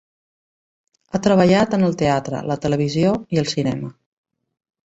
Ha treballat en el teatre, la televisió i el cinema.